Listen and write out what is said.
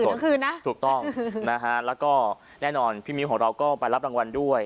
สองคืนนะถูกต้องนะฮะแล้วก็แน่นอนพี่มิ้วของเราก็ไปรับรางวัลด้วย